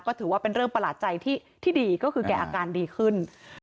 ก็ถือว่าเป็นเรื่องประหลาดใจที่ดีก็คือแกอาการดีขึ้น